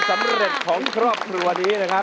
สำเร็จของครอบครัวนี้นะครับ